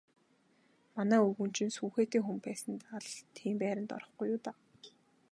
Манай өвгөн чинь сүүхээтэй хүн байсандаа л тийм байранд орохгүй юу даа.